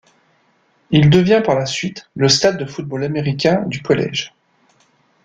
Il devient par la suite le stade de football américain du collège.